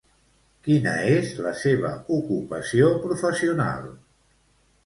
Quina és la seva ocupació professional?